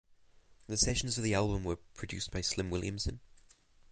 The sessions for the album were produced by Slim Williamson.